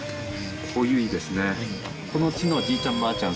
この地のじいちゃんばあちゃん